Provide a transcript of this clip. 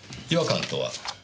違和感とは？